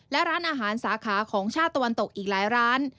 และร้านอาหารสาขาของชาติตะวันตกอีกหลายร้าน